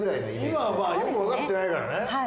今はよくわかってないからね。